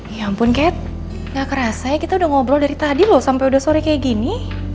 ya ampun kayak gak kerasa ya kita udah ngobrol dari tadi loh sampai udah sore kayak gini